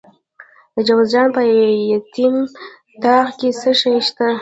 د جوزجان په یتیم تاغ کې څه شی شته؟